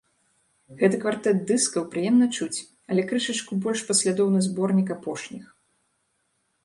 Гэты квартэт дыскаў прыемна чуць, але крышачку больш паслядоўны зборнік апошніх.